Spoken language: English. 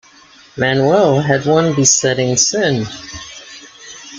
Manuel had one besetting sin.